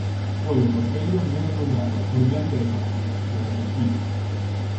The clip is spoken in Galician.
Foi o porteiro menos goleado, por diante de Santi, do Recunquiño.